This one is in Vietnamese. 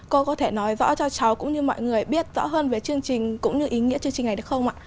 cô có thể nói rõ cho cháu cũng như mọi người biết rõ hơn về chương trình cũng như ý nghĩa chương trình này được không ạ